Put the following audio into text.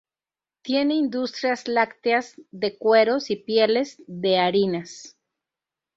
Tiene industrias lácteas, de cueros y pieles, de harinas.